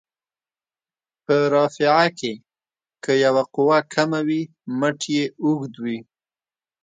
په رافعه کې که یوه قوه کمه وي مټ یې اوږد وي.